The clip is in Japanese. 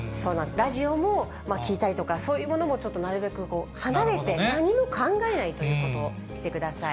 ラジオも聞いたりとか、そういうものもちょっとなるべく離れて、何も考えないということをしてください。